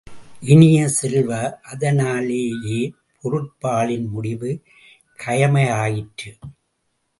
இனிய செல்வ, அதனாலேயே பொருட்பாலின் முடிவு கயமையாயிற்று.